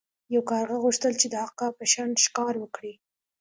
یو کارغه غوښتل چې د عقاب په شان ښکار وکړي.